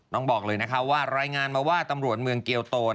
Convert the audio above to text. บอกเลยนะคะว่ารายงานมาว่าตำรวจเมืองเกียวโตน